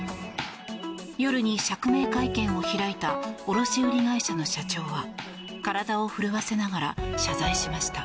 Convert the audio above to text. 夜に釈明会見を開いた卸売会社の社長は体を震わせながら謝罪しました。